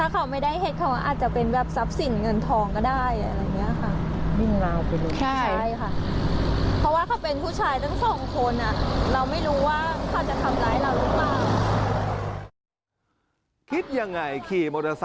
คิดยังไง